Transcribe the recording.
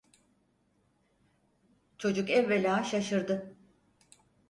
Çocuk evvela şaşırdı.